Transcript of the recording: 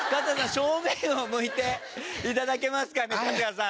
正面を向いていただけますかね春日さん。